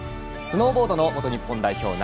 スノーボードの元日本代表